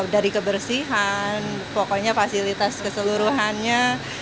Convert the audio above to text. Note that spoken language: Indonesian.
dari kebersihan pokoknya fasilitas keseluruhannya